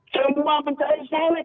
semua mencari sawit